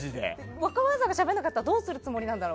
若林さんがしゃべらなかったらどうするつもりなんだろう。